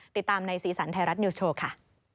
ติดตามในสีสันไทยรัฐนิวส์โชว์ค่ะ